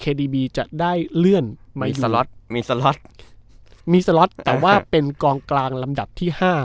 ดีบีจะได้เลื่อนไมสล็อตมีสล็อตมีสล็อตแต่ว่าเป็นกองกลางลำดับที่ห้า